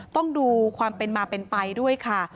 ต้องดูความเป็นมาเป็นไปด้วยค่ะ